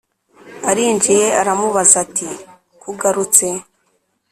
arinjiye aramubaza ati"kugarutse